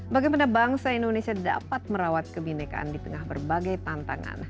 bagaimana bangsa indonesia dapat merawat kebinekaan di tengah berbagai tantangan